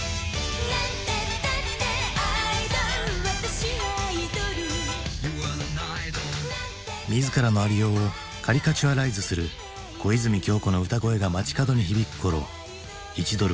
「なんてったってアイドル私はアイドル」自らの在りようをカリカチュアライズする小泉今日子の歌声が街角に響くころ１ドルは２００円に。